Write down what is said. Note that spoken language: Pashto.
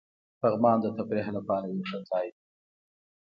پغمان د تفریح لپاره یو ښه ځای دی.